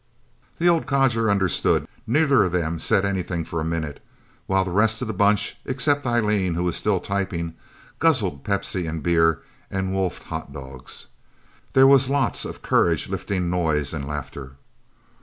The old codger understood. Neither of them said anything for a minute, while the rest of the Bunch, except Eileen who was still typing, guzzled Pepsi and beer, and wolfed hotdogs. There was lots of courage lifting noise and laughter.